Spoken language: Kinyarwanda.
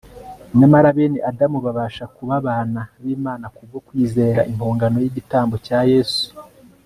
Nyamara benAdamu babasha kubabana blmana kubgo kwizer impongano yigitambo cya Yesu